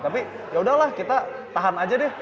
tapi yaudahlah kita tahan aja deh